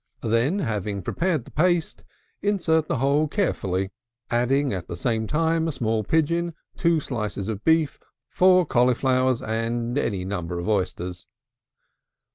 Then, having prepared the paste, insert the whole carefully; adding at the same time a small pigeon, 2 slices of beef, 4 cauliflowers, and any number of oysters.